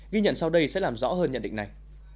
ghi nhận sau đây sẽ làm rõ hơn nhận định này